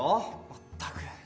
まったく！